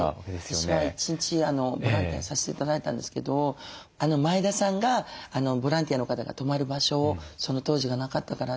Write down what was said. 私は一日ボランティアさせて頂いたんですけど前田さんがボランティアの方が泊まる場所をその当時はなかったからって。